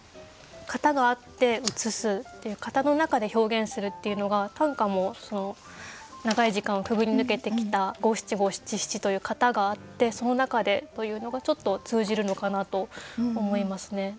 型があって写すっていう型の中で表現するっていうのが短歌も長い時間をくぐり抜けてきた五七五七七という型があってその中でというのがちょっと通じるのかなと思いますね。